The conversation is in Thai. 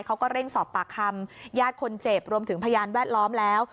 เขาก็เร่งสอบปากคำญาติคนเจ็บรวมถึงพยานแวดล้อมแล้ว